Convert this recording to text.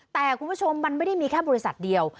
แต่คุณผู้ชมมันไม่ได้มีแค่บริษัทเดียว